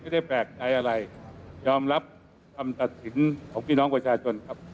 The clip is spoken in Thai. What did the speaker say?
ได้แปลกใจอะไรยอมรับคำตัดสินของพี่น้องประชาชนครับ